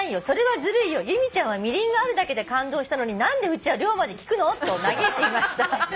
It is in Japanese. それはずるいよ由美ちゃんはみりんがあるだけで感動したのに何でうちは量まで聞くの？』と嘆いていました」